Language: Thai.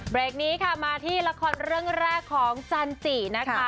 นี้ค่ะมาที่ละครเรื่องแรกของจันจินะคะ